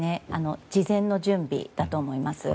事前の準備だと思います。